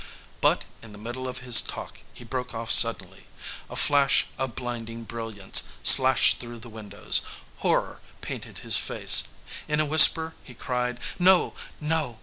But in the middle of his talk he broke off suddenly. A flash of blinding brilliance slashed through the windows. Horror painted his face. In a whisper, he cried: "No! No!